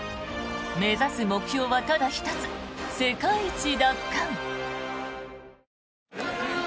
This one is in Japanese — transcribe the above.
目指す目標はただ一つ世界一奪還。